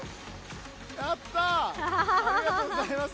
ありがとうございます。